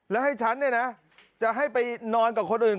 แล้วให้ฉันเนี่ยนะจะให้ไปนอนกับคนอื่น